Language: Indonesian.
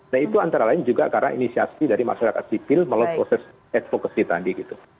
nah itu antara lain juga karena inisiasi dari masyarakat sipil melalui proses advocacy tadi gitu